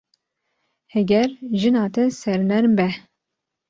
Heger jina te sernerm be.